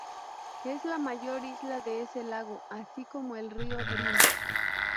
Es la mayor isla de ese lago, así como del río Drin.